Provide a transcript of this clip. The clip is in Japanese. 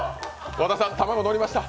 和田さん、卵、のりました。